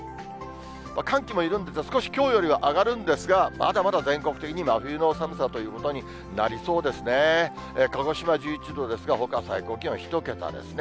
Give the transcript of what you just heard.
寒気も緩んで、少しきょうよりは上がるんですが、まだまだ全国的に真冬の寒さということになりそうですね。